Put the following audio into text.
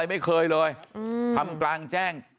ไม่เคยเลยทำกลางแจ้ง